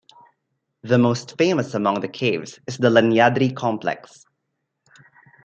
The most famous among the caves is the Lenyadri complex.